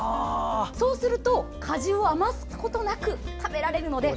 そうすると、果汁を余すことなく食べられるので。